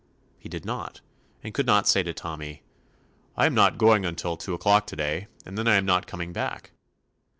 He did not, and could not say to Tommy: "I am not going until two o'clock to day, and then I am not coming back."